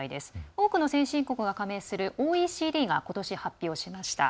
多くの先進国が加盟するＯＥＣＤがことし、発表しました。